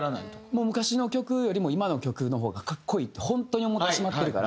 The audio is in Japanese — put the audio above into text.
もう昔の曲よりも今の曲の方がかっこいいってホントに思ってしまってるから。